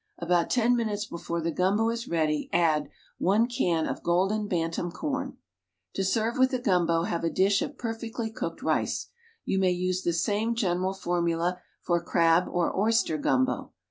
About ten minutes before the Gumbo is ready add — One can of Golden Bantam Corn. To serve with the Gumbo have a dish of perfectly cooked rice. You may use the same general formula for Crab or Oyster Gumbo.